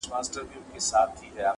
په يوازي ځان قلا ته ور روان سو٫